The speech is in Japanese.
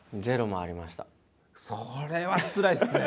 それはつらいですね。